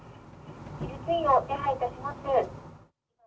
技術員を手配いたします。